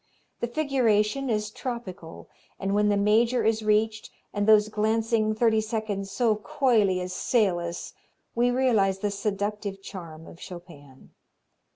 The figuration is tropical, and when the major is reached and those glancing thirty seconds so coyly assail us we realize the seductive charm of Chopin.